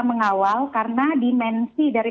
mulai dari awal karena dimensi dari